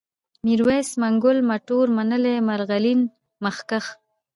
ميرويس ، منگول ، مټور ، منلی ، مرغلين ، مخکښ